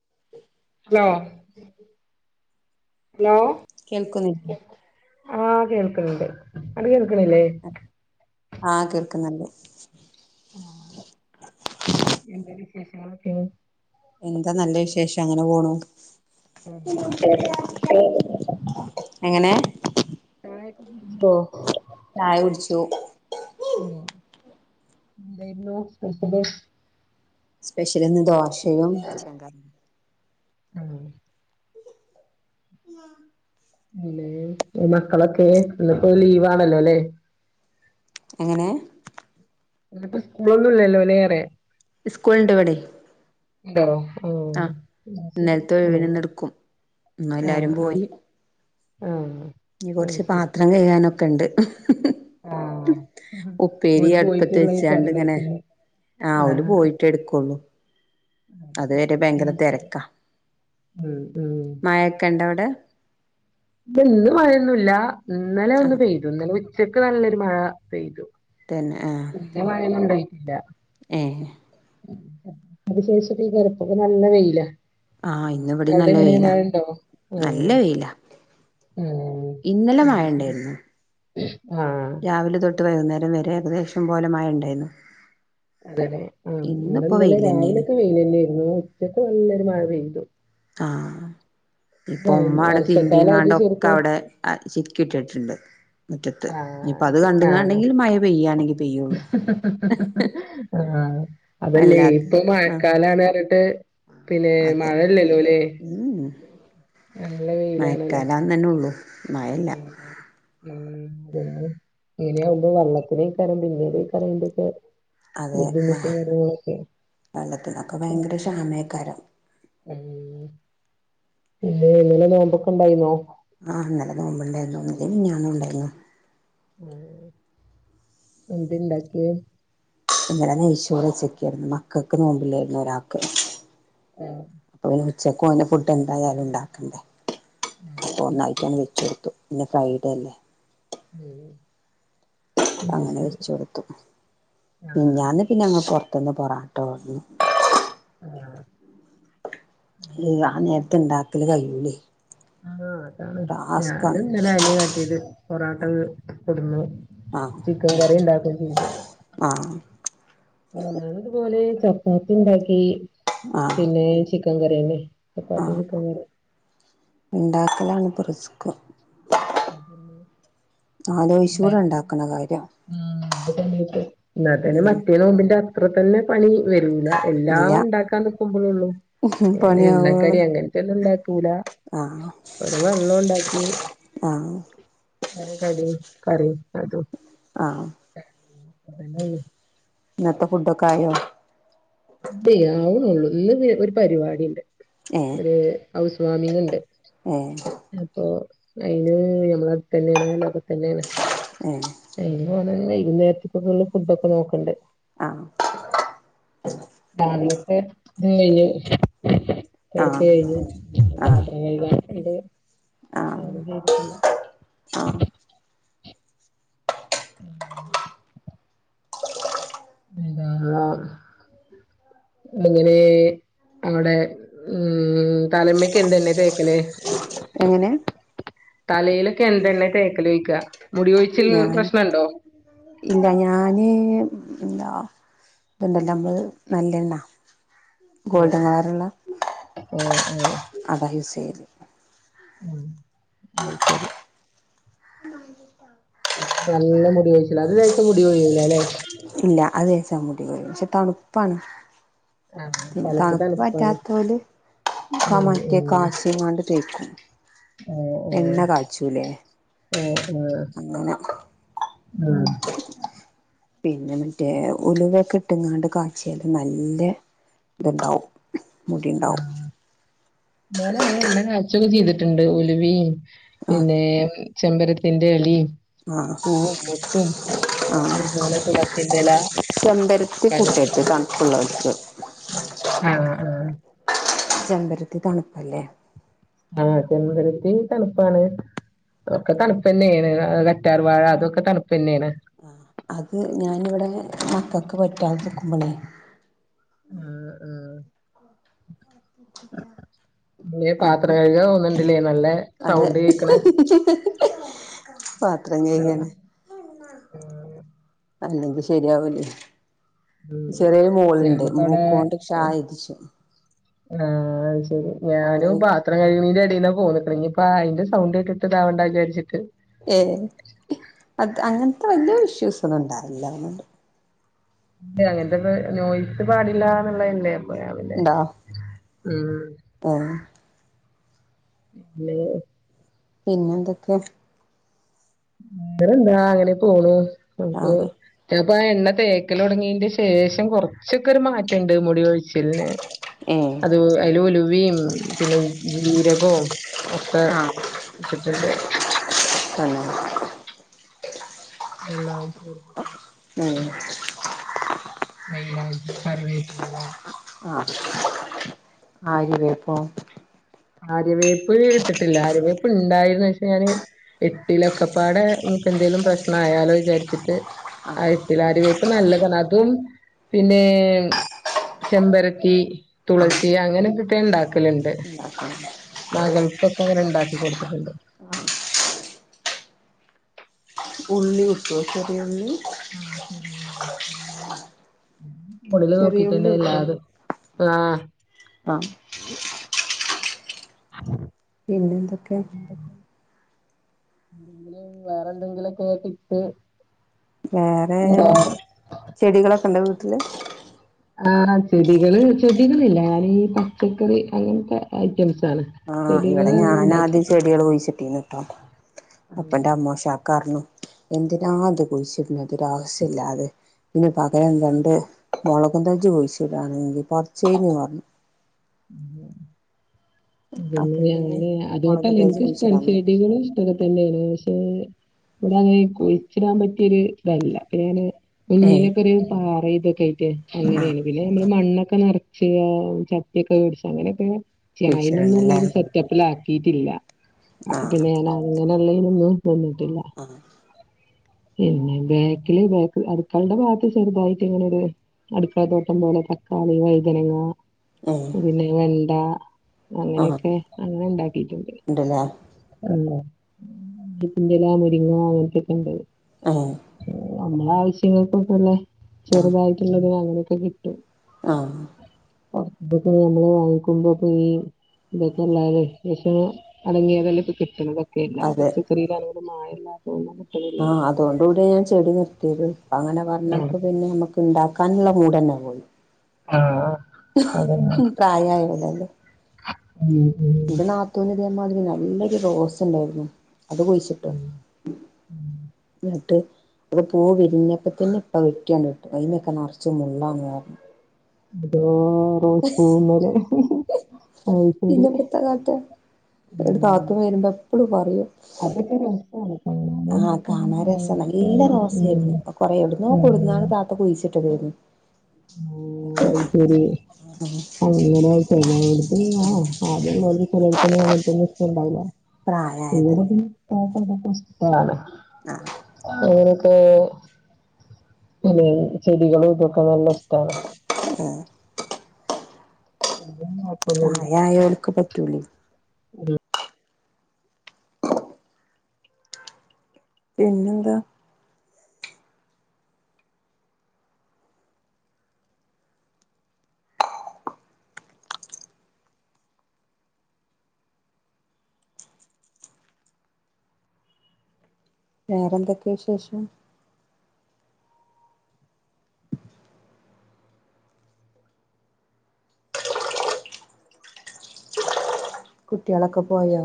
[inaudible] Hello hello കേൾക്കുന്നെ ആഹ് കേൾക്ക്ണ്ണ്ട് അന്ക്ക് കേൾക്ക്ണില്ലേ ആഹ് കേൾക്ക്ന്ന് ണ്ട് ആഹ് എന്ത വിശേഷങ്ങളൊക്കെ എന്താ നല്ല വിശേഷം അങ്ങനെ പോണു ചായൊക്കെ കുടിച്ചോ എങ്ങനെ [unintelligible] ചായ കുടിച്ചു ഓഹ് എന്തായിരുന്നു സ്പെഷല് സ്പെഷ്യൽ ഇന്ന് ദോശയും ചായിം ഉം ഉഹ [unintelligible] പിന്നെ മക്കളൊക്കെ ഇന്ന്പ്പോ ലീവാണല്ലോല്ലേ എങ്ങനെ ന്ന് പ്പോ സ്കൂൾ ഇല്ലലോ ല്ലെ സ്കൂളിണ്ട് ഇവിടെയ് ണ്ടോ ആഹ് ന്നാ ശരി ആഹ് ന്നാ ആഹ് എല്ലാരും ആഹ് പോയി ആഹ് ഇനി അത് കുറച്ച് ശരി പാത്രം കയ്കാനൊക്കെണ്ട് ആഹ് ഉപ്പേരി ഓര് അടുപ്പത്ത് പോയിട്ടുള്ളേക്കാരല്ലേ വെച്ചാണ്ടിങ്ങനെ പിന്നെ ആഹ് ഓല് പോയി പോയിട്ടെട്ക്കൊള്ളൂ അതുവരെ ഭയങ്കര ഉം ശരി തെരക്കാ ഉം ഉം മായക്കെണ്ടവിടെ ഇല്ല ഇന്ന് മഴയൊന്നുമല്ല ഇന്നലെ ഒന്ന് ആഹ് പെയ്തു ഇന്നലെ ഉച്ചക്ക് നല്ലൊരു മഴ പെയ്തു തന്നെ ആഹ് പിന്നെ മഴയൊന്നും ഏഹ് അതിന് ശേഷപ്പയ്ക്കാരം ഇപ്പ പ്പൊ നല്ല വെയ്ല ആഹ് ഇന്ന് ഇവടിം നല്ല വെയിലാ നല്ല ആഹ് വയ്ലാ ആഹ് ഇന്നലെ അത് ശരി മയേണ്ടായ്രുന്നു ആഹ് രാവിലെ തൊട്ട് വൈകുന്നേരം വരെ എകദേശം പോലെ മയണ്ടയ്നു അതതെ ആഹ് ഇവിടെ ഇന്നലെ വെയിലെന്നേണ് രാവിലെയൊക്കെ വെയിൽ തന്നെയായിരുന്നു ഉച്ചക്ക്നല്ലൊരു മഴ പെയ്തു ആഹ് ഇപ്പൊ ആഹ് ഉ്മ്മ അവിടെ വർഷക്കാലായിട്ട് കിമ്പിയങ്ങാണ്ടൊക്കെ ശരിക്ക് അവിടെ ആഹ് ചിക്കി ഇട്ടിട്ടുണ്ട് മുറ്റത്ത് ആഹ് ഇനിപ്പ അത് ശരി ആഹ് കണ്ടങ്ങണ്ടെങ്കില് മഴ പെയ്യണെങ്കി പെയ്യുള്ളു ആഹ് അതല്ലേ ഇപ്പ മഴക്കാലാണ് പറഞ്ഞിട്ട് പിന്നെ അതെ മഴല്ലല്ലോ അല്ലേ ഉം നല്ല വെയിലാണല്ലോ അന്നെന്നെ ഉള്ളൂ മഴല്ല [unintelligible] ഉം അതെ ഇങ്ങനെയ ആവുമ്പോ വെള്ളത്തിനേ കരണ്ട് പിന്നീട കറന്റെൊക്കെ അതെ വെള്ളത്തിനൊക്കെ ഭയങ്കര ക്ഷാമയക്കരം ഉം ന്റെ ഇന്നലെ നോമ്പൊക്ക ഉണ്ടായിന്നോ ആഹ് ഇന്നലെ നോമ്പുണ്ടായിരുന്നു ഇനലെ മിനിയാന്നുംഉണ്ടായിരുന്നു എന്തുണ്ടാകിയെ ഇന്നലെ നെയ്ച്ചോറ് വെച്ചക്കായിരുന്നു മക്കൾക്ക് നോമ്പില്ലായിരുന്നു ഒരാക്ക്‌ ആഹ് ഓന് ഉച്ചക്ക് ഓന് ഫുഡ് എന്തായാലും ഉണ്ടാക്കണ്ടേ അപ്പൊ ഒന്നായിട്ടാണ്ട് വെച്ച്ടുത്തു ഇന്ന് ഫ്രൈഡേ അല്ലേ ഏയ് അങ്ങനെ വെച്ച് കൊടുത്തു ആഹ് മിനിഞ്ഞാന്ന് പിന്നെ അങ്ങ പെറത്തുന്ന് പൊറാട്ട വാങ്ങി ആഹ് ആ നേരത്തെ ഇണ്ടാക്കല് കഴൂലേ ആഹ് അതാണ് ഞാന ഇന്നലെ അല കട്ടിയത് പൊറോട്ട കൊടുന്നു ആഹ് ചിക്കൻ കറി ഉണ്ടാക്കുകയും ചെയ്തു ആഹ് ഞാനതുപോലെ ചപ്പാത്തി ഉണ്ടാക്കി ആഹ് പിന്നെ ചിക്കൻ കറിന്നെ ചപ്പാത്തീം ആഹ് ചിക്കൻ കറി ഉണ്ടാക്കലാണ് ഇപ്പം റിസ്ക് അതന്നെ ആലോചിച്ചൂടെ ഉണ്ടാക്കണ കാര്യം മം [unintelligible] എന്നാത്തന്നെ ഉം മറ്റേ നോമ്പിന്റെ അത്ര തന്നെ പണി വരൂല ഇല്ല എല്ലാം ഉണ്ടാക്കാൻ നിക്കുമ്പോഴേള്ളൂ ങ്ങനെ എണ്ണക്കടി പണിയാവോളം അങ്ങനെ തെന്നുണ്ടാക്കൂല ആഹ് ആഹ് ഒരു കടിയും കറിയും അതും ആഹ് [inaudible] ഇന്നത്തെ ഫുഡൊക്കെ ആയോ ഇല്ല ആവണള്ളൂ ഇന്ന് ഒരു പരിപാടിയു ണ്ട് ഒരു ഹൗസ് വാമിംഗ ഉണ്ട് ആഹ് അപ്പൊ അയിന് ഞമ്മള തന്നെയാണ് അയിൽവക്കത് തന്നെയാണ് ആഹ് [unintelligible] വൈകുന്നേരത്തക്കള് ഫുഡൊക്ക നോക്കണ്ട് ആഹ് രാവിലൊക്കെ കഴിഞ്ഞ് തിരക്ക് ആഹ് കഴിഞ്ഞ് ആഹ് പാത്രം കഴുകാനുണ്ട് ആഹ് അത് ചെയ്തിട്ടില്ല ആഹ് [unintelligible] ഇങ്ങനെ അവിടെ ഉ ഉം തലമ്മക്ക് എന്തെന്നെ തേക്കലേ എങ്ങനെ തലയിലൊക്കെ എന്തെണ്ണ തേക്കല് ചോയ്ക്കുക മുടി കൊഴിച്ചിൽ ഞാൻ പ്രശ്നുണ്ടോ ഇല്ല ഞാന് എന്താ ഇതുണ്ടല്ല നമ്മള് നല്ലണ്ണ ആഹ് ഗോൾഡൻ കളറുള്ള ആഹ് ആഹ് അതാ യൂസ് ചെയ്ത് ആഹ് ശരി ഉം നല്ല മുടി ഒഴിച്ചില്ല അത് തേച്ച മുടി കൊ ഴിയൂല്ലേ അല്ലേ ഇല്ല അത് തേച്ചാ മുടി പക്ഷെ തണുപ്പാണ് ആഹ് പിന്നെ തലക്ക് തണുപ്പ് തണുപ്പാണ് പറ്റാത്തല് ഉം കമറ്റിയ ഉം കാശുംണ്ട് തേക്കും ആഹ് എണ്ണ ആഹ് കാച്ചൂലേ ആഹ് അങ്ങനെ ആഹ് പിന്നെ മറ്റേ ഉലുവൊക്കെ ഇട്ടങ്ങാണ്ട് കാച്ചിയാല് നല്ല ഇത്ണ്ടാവും മുടിയുണ്ടാവും ഞാന അങ്ങനെ എല്ലാ കാചൊക്കെ ചെയ്തിട്ടുണ്ട് ഉലവയും ആഹ് പിന്നെ ചെമ്പരത്തിന്റെ ഇലയും ആഹ് പൂവും മുട്ടും ആഹ് അതുപോലെ തുളസിന്റെ ഇല ചെമ്പരത്തി കൂട്ടരുത് ആഹ് ചെമ്പരത്തി തണുപ്പല്ലേ ആഹ് ചെമ്പരുത്തി തണുപ്പാണ് അതൊക്കെ തണുപ്പ തന്നെയാണ് കറ്റാർ വാഴ അതൊക്കെ തണുപ്പ് തന്നെയാണ് ആ അത് ഞാനിവിടെ മക്കൾക്ക് പറ്റാ നിൽക്കുമ്പോഴേ ആഹ് ആഹ് പിന്നെ [inaudible] അപ്പൊ പാത്രം കഴുക തോന്നുന്നുണ്ടില്ലേ നല്ല അതെ സൗണ്ട് കേക്കണ് പത്രം കായ്കാണ് ആഹ് അല്ലെങ്കി ശരിയാവുലെ ഉം ചെറിയൊരു മോളുണ്ട് ഞാനിപ്പവടെ മൂക്ക് കൊണ്ട് ക്ഷാ എയ്‌തിച്ചു ആഹ് അത് ശരി ഞാനും ഓള് പ ത്രം കഴുകുന്നെന്റെ ഇടെല ഫോൺ വെക്കണ ഇനി ഇപ്പോ അയിന്റെ സൗണ്ടേട്ടിട്ട് ഇതാവണ്ട വിചാരിച്ചിട്ട് ഏഹ് അത് അങ്ങനത്തെ വല്യ ഇഷ്യൂസ് ഒന്നും ഉണ്ടാറില്ലണ്ട് ആഹ് അങ്ങനത്തെന്നും നോയ്‌സ് പാടില്ലന്നുള്ളെല്ലേ ണ്ടോ ആഹ് പിന്നെ പിന്നെ എന്തൊക്കെ വേറെ എന്താ അങ്ങനെ പോണു ആ നമുക്ക് ഞാപ്പോ ആ എണ്ണ തേക്കൽ തുടങ്ങീന്റെ ശേഷം കുറച്ചൊക്കെ ഒരു മാറ്റണ്ട് മുടി കൊഴിച്ചിലിന് ഏ അത് അയില് ഉലുവയും പിന്നെ ജീരകവും ഒക്കെ ആ ഇട്ടിട്ടുണ്ട് [inaudible] എല്ലാം ചെയ്ത് ഉം മൈലഞ്ചി കറിവേപ്പില ആഹ് ആരിവേപ്പോ ആരിവേപ്പ് ഇട്ടിട്ടില്ല ആരിവേപ്പ് ഉണ്ടായിന്ന് പക്ഷേ ഞാന് ഇട്ടില്ലലൊക്കപ്പാടെ ഇൻക്ക് എന്തേലും പ്രശ്നയാലോ വിചാരിച്ചിട്ട് ആ അയ് ഇട്ടില്ല ആരിവേപ്പ് നല്ലതാണ് അതും പിന്നെ ചെമ്പരത്തി ആ തുളസി അങ്ങനെക്കെ ഇട്ട് ഇണ്ടാക്കലണ്ട് [unintelligible] മകൾക്കൊക്കെ അങ്ങനെ ഇണ്ടാക്കി കൊടുത്തിട്ടുണ്ട് [unintelligible] ആഹ് ശരിണ്ട് മുടില് ചെറിയുള്ളി നോക്കിട്ടന്നെ കിട്ടും എല്ലതും ആഹ് ആഹ് [inaudible] പിന്നെ എന്തൊക്കെ എന്തെങ്കിലും വേറെ എന്തെങ്കിലൊക്കെ ഇട്ട് വേറെ ചെടികളൊക്കെ ഉണ്ടോ വീട്ടില് ആഹ് ചെടികള് ചെടികളില്ല ഞാന് ഈ പച്ചക്കറി അങ്ങനത്തെ ഐറ്റംസ് ആണ് ആഹ് ഇവിടെ ഞാനാദ്യം ചെടികൾ പോയിച്ചിട്ടീന്നിട്ടോ അപ്പോ ന്റെ അമ്മഷാക്ക പറഞ്ഞു എന്തിനാ അത് കുഴിച്ചിടുന്നെ അതൊരു ആവശ്യ ഇല്ലാതെ പിന്നെ പകരം രണ്ട് മുളകും തജ്ജ് കുഴിച്ചിടാണെങ്കിൽ പറച്ച് കഴിഞ്ഞ് പറഞ്ഞു പിന്നെ അപ്പൊ ഞാന് മുളകും അതോണ്ടല്ല തജ്ജ് എനിക്കിഷ്ടാ കുഴിച്ചിടാൻ നോക്കി ചെടികൾ ഇഷ് ട്ടൊക്കെ തന്നെയാണ് പക്ഷെ ഇവിടെ അങ്ങനെ കൊയിച്ചിടാൻ പറ്റിയൊരു ഇതല്ല അപ്പൊ ഞാന് ഏഹ് കുഞ്ഞിലൊക്കെ ഒരു പാറ ഇതൊക്കെ ആയിട്ട് ആഹ് അങ്ങനെയാണ് പിന്നെ നമ്മള് മണ്ണൊക്കെ നിറച്ച് ച ട്ടിയൊക്കെ വേടിച്ച് അങ്ങനൊക്കെ ചെയ്യണേ കുഴിച്ചിടണല്ലേ അയിനുള്ളൊരു സെറ്റപ്പിലാക്കിയിട്ടില്ല അപ്പ ആഹ് പിന്നെ ഞാൻ അങ്ങനൊള്ളയിനൊന്നും നിന്നിട്ടില്ല ആഹ് പിന്നെ ബാക്കില് ബാക്ക് അടുക്കളെടെ ഭാഗത്ത് ചെറുതായിട്ട് ഇങ്ങനൊരു അടുക്കള തോട്ടം പോലെ തക്കാളി വൈതനങ്ങ ഏഹ് പിന്നെ വെണ്ട ആഹ് അങ്ങനെയൊക്കെ അങ്ങനെ ഇണ്ടാക്കിട്ടുണ്ട് ഉണ്ടല്ലേ ആഹ് [unintelligible] മുരിങ്ങ അങ്ങനത്തെക്കെ ഉണ്ട് ആഹ് നമ്മള ആവശ്യങ്ങൾക്ക്ല്ലെ ആഹ് ചെറുതായിട്ടുള്ളതിന അങ്ങനെയൊക്കെ കിട്ടും ആഹ് ഇപ്പൊക്കെ നമ്മള് വാങ്ങിക്കുമ്പോക്ക ഈ ഇതൊക്കെള്ള വിേഷ അടങ്ങിയതല്ല ഇപ്പ കിട്ടണം എല്ലാ അതെ പച്ചക്കറിലായാലും മായല്ലാന്നും [unintelligible] ആഹ് അതുകൊണ്ട് കൂടി ഞാൻ ചെടി നിർത്തിയത് അങ്ങനെ പറഞ്ഞപ്പോ പിന്നെ നമ്മുക്ക് ഉണ്ടാക്കാനുള്ള മൂടനെ പോയി ആഹ് അതന്നേ ഉം ഉം ഉം ഇന്റെ നാത്തൂൻ ഇതേമാതിരി നല്ലൊരു റോസ് ഉണ്ടായിരുന്നു അത് കുഴിച്ചിട്ടു ന്നട്ട് അത് പൂവി വിരിഞ്ഞപ്പോ തന്നെ ഇപ്പ വെട്ടിയണ്ട് കട്ടു അയ്മ്മേക്കെ നിറച്ച് മുള്ളങ്ങ പറഞ്ഞണ്ട് അതോ റോസ് പൂമ്മൽ [unintelligible] പിന്നെപ്പെത്താ കാട്ടാ നാത്തൂൻ വരുമ്പോ എപ്പഴും പറയും അതൊക്ക രസാണ് കാണാന്. ആഹ് കാണാ ഉം. രസമാണ് നല്ല ഭയങ്കര- റോസായിയിരുന്നു ഉം. കൊറെ എവിടുന്നോ കൊടുന്ന ആഹ് ത കുഴിച്ചിട്ടാതെർന്നു അത് [unintelligible] [unintelligible] പി ആദ്യ ചലൊന്നും അങ്ങന്നും ഇ്ടണ്ടാവില്ല പ്രായായതല്ലേ [unintelligible] ാണ് [unintelligible] ഇപ്പോൊ എ ചെടികളും ഇതൊക്കെ നല്ല ഇഷ്ടമാണ് ഉം [inaudible] പ്രായായോൽക്ക് പറ്റൂലേ പിന്നന്ത വേറെന്തൊക്കെയ വിശേഷം കുട്ടികളൊക്കെ പോയോ